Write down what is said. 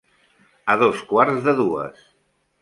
A dos quarts de dues.